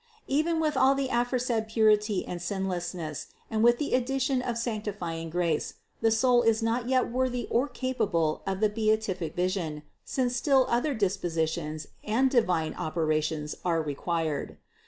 626. Even with all the aforesaid purity and sinlessness and with the addition of sanctifying grace, the soul is not yet worthy or capable of the beatific vision, since still other dispositions and divine operations are required.